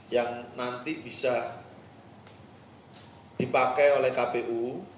yang nanti bisa dipakai oleh kpu